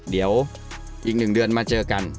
เดี๋ยวอีก๑เดือนมาเจอกัน